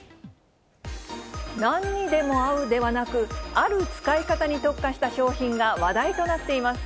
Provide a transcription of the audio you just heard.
なんにでも合うではなく、ある使い方に特化した商品が話題となっています。